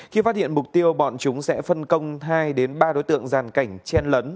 khi phát hiện mục tiêu bọn chúng sẽ phân công hai ba đối tượng giàn cảnh chen lấn